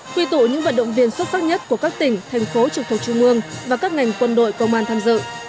quy tụ những vận động viên xuất sắc nhất của các tỉnh thành phố trực thuộc trung mương và các ngành quân đội công an tham dự